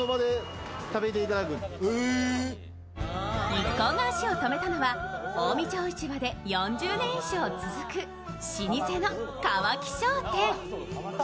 一行が足を止めたのは、近江町市場で４０年以上続く老舗の川木商店。